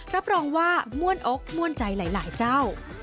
รับรองว่าม่วนอกม่วนใจหลายเจ้า